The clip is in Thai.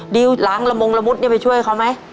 ดิวล้างละมงละมุดนี่ไปช่วยเขาไหม